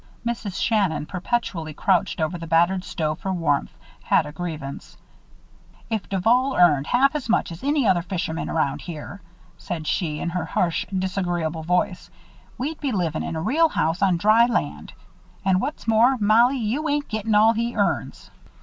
Mrs. Shannon, perpetually crouched over the battered stove for warmth, had a grievance. "If Duval earned half as much as any other fisherman around here," said she, in her harsh, disagreeable voice, "we'd be livin' in a real house on dry land. And what's more, Mollie, you ain't gettin' all he earns.